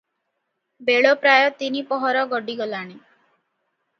ବେଳ ପ୍ରାୟ ତିନି ପହର ଗଡ଼ିଗଲାଣି ।